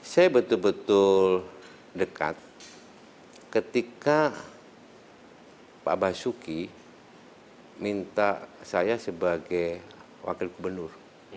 saya betul betul dekat ketika pak basuki minta saya sebagai wakil gubernur